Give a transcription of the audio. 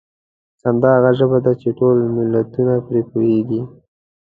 خندا هغه ژبه ده چې ټول ملتونه پرې پوهېږي.